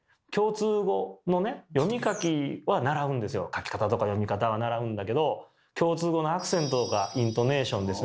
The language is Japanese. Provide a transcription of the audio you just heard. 書き方とか読み方は習うんだけど共通語のアクセントとかイントネーションですよね